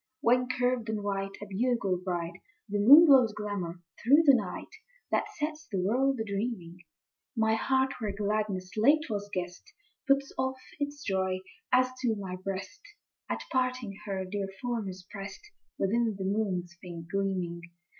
II. When curved and white, a bugle bright, The moon blows glamour through the night, That sets the world a dreaming, My heart, where gladness late was guest, Puts off its joy, as to my breast At parting her dear form is pressed, Within the moon's faint gleaming.